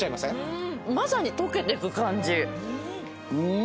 まさにとけてく感じ。